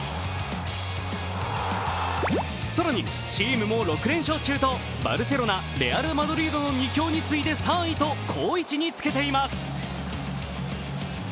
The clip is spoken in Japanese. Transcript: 更に、チームも６連勝中とバルセロナ、レアル・マドリードの２強に次いで３位と好位置につけています。